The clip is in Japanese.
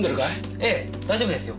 ええ大丈夫ですよ。